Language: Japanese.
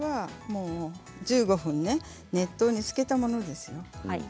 １５分熱湯につけたものです。